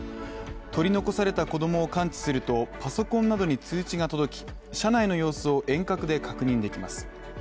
取り残された子供を感知するとパソコンなどに通知が届き車内の様子を遠隔で確認できます。